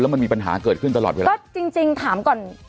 มันมีปัญหาเกิดขึ้นตลอดเวลาก็จริงถามก่อน